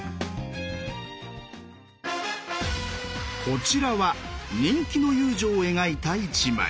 こちらは人気の遊女を描いた一枚。